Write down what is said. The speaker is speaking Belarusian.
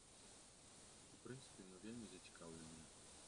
У прынцыпе, мы вельмі зацікаўленыя.